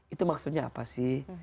itu maksudnya apa sih